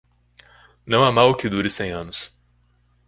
Não há mal que dure cem anos.